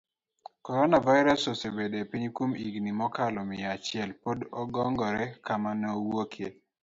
corona virus osebedo epiny kuom higini mokalo mia achiel, pod okong'ere kama neowuokie,